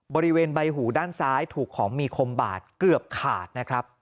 บริเวณใบหูด้านซ้ายถูกของมีคมบาดเกือบขาดนะครับ